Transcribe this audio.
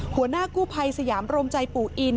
หัวหน้ากู้ภัยสยามโรมใจปู่อิน